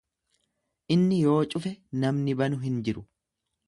Inni yoo cufe namni banu hin jiru.